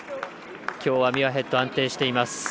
きょうはミュアヘッド安定しています。